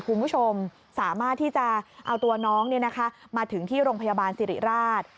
คุณผู้ชมสามารถที่จะเอาตัวน้องมาถึงที่โรงพยาบาลสิริราช